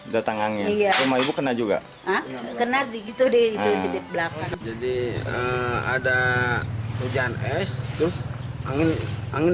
datang angin iya rumah ibu kena juga kena begitu deh jadi ada hujan es terus angin angin